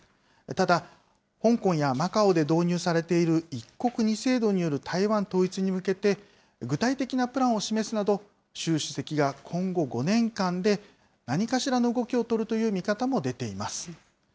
ただ、香港やマカオで導入されている一国二制度による台湾統一に向けて具体的なプランを示すなど、習主席が今後５年間で、何かしらの動きを取るという見方も出ています。